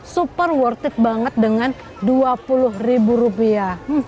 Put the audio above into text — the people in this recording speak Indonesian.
super worth it banget dengan dua puluh ribu rupiah